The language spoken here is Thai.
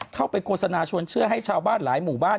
โฆษณาชวนเชื่อให้ชาวบ้านหลายหมู่บ้าน